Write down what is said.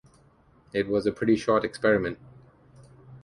It was a pretty short experiment.